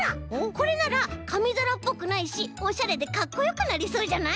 これならかみざらっぽくないしおしゃれでかっこよくなりそうじゃない？